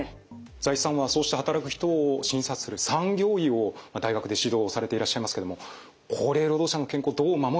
財津さんはそうした働く人を診察する産業医を大学で指導されていらっしゃいますけども高齢労働者の健康をどう守るか。